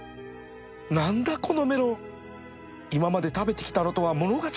何だこのメロン今まで食べてきたのとは物が違うぞ！？